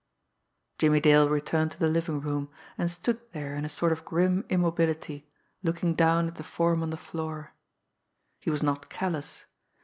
Jimmie Dale returned to the living room and stood there in a sort of grim immobility, looking down at the form on the floor. He was not callous.